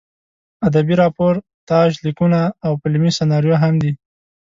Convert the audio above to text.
ادبي راپورتاژ لیکونه او فلمي سناریو هم دي.